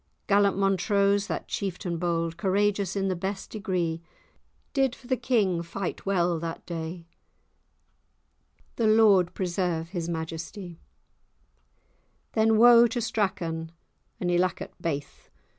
Gallant Montrose, that chieftan bold, Courageous in the best degree, Did for the king fight well that day;— The Lord preserve his majestie! Then woe to Strachan, and Ilacket baith!